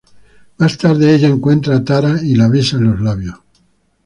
Más tarde, ella encuentra a Tara y la besa en los labios.